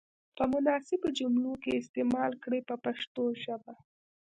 په مناسبو جملو کې یې استعمال کړئ په پښتو ژبه.